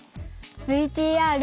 ＶＴＲ。